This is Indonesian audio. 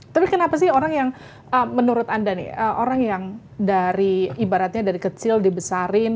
tapi kenapa sih orang yang menurut anda nih orang yang dari ibaratnya dari kecil dibesarin